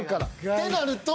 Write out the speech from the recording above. ってなると。